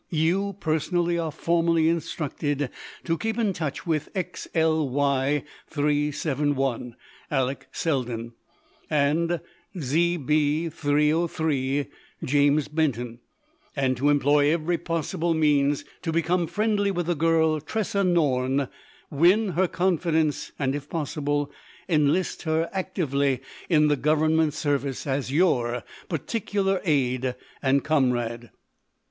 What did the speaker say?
You personally are formally instructed to keep in touch with XLY 371 (Alek Selden) and ZB 303 (James Benton), and to employ every possible means to become friendly with the girl Tressa Norne, win her confidence, and, if possible, enlist her actively in the Government Service as your particular aid and comrade.